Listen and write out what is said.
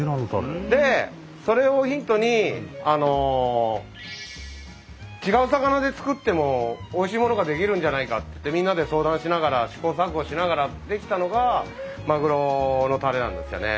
でそれをヒントに違う魚で作ってもおいしいものが出来るんじゃないかってみんなで相談しながら試行錯誤しながら出来たのがまぐろのたれなんですよね。